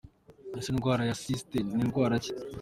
Ese indwara ya cystite ni ndwara ki?.